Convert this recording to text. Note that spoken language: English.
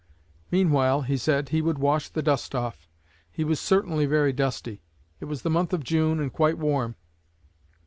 Meanwhile, he said, he would wash the dust off. He was certainly very dusty; it was the month of June, and quite warm.